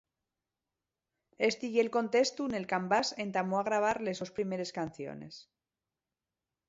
Esti ye'l contestu nel qu'Ambás entamó a grabar les sos primeres canciones.